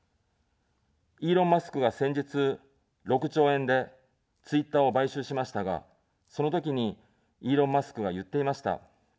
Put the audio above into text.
イーロン・マスクが先日、６兆円でツイッターを買収しましたが、そのときに、イーロン・マスクが言っていました。